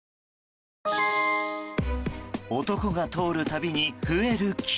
男が通る度に増える傷。